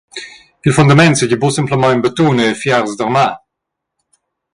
Il fundament seigi buca semplamein betun e fiars d’armar.